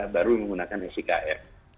baru menggunakan sikm